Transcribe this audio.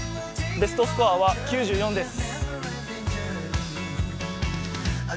ベストスコアは９４です。